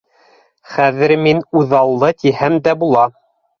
Хәҙер мин үҙаллы тиһәм дә була.